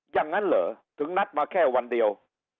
อย่างนั้นเหรอถึงนัดมาแค่วันเดียว